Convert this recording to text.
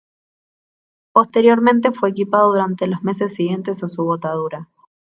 Posteriormente fue equipado durante los meses siguientes a su botadura.